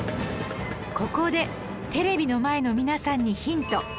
ここでテレビの前の皆さんにヒント